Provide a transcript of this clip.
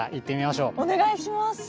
お願いします。